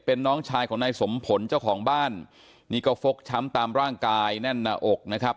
เป็นน้องชายของนายสมผลเจ้าของบ้านนี่ก็ฟกช้ำตามร่างกายแน่นหน้าอกนะครับ